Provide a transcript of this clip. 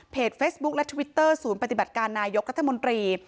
เฟซบุ๊คและทวิตเตอร์ศูนย์ปฏิบัติการนายกรัฐมนตรี